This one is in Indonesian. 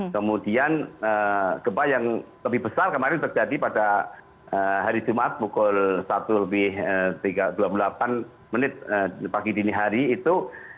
kemudian gempa yang lebih besar kemarin terjadi pada hari jumat pukul satu lebih tiga dua puluh delapan menit pagi dini hari itu